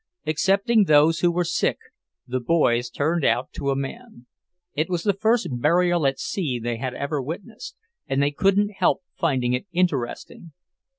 Excepting those who were sick, the boys turned out to a man. It was the first burial at sea they had ever witnessed, and they couldn't help finding it interesting.